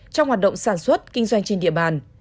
trong hoạt động sản xuất kinh doanh trên địa bàn